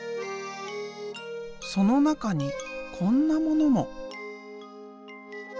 その中にこんなものも。